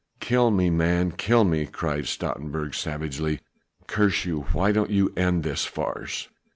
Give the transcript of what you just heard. "Kill me, man, kill me!" cried Stoutenburg savagely, "curse you, why don't you end this farce?"